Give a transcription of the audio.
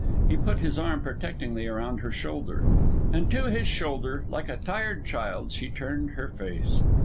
He put his arm protectingly around her shoulder. And to his shoulder, like a tired child, she turned her face.